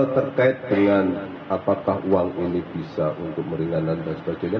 terkait dengan apakah uang ini bisa untuk meringankan dan sebagainya